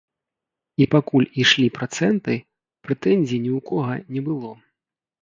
І пакуль ішлі працэнты, прэтэнзій ні ў кога не было.